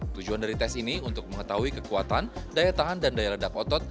tujuan dari tes ini untuk mengetahui kekuatan daya tahan dan daya ledak otot